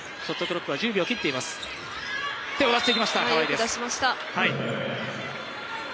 よく出しました。